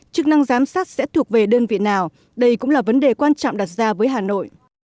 chức năng giám sát sẽ thuộc về đơn vị nào đây cũng là vấn đề quan trọng đặt ra với hà nội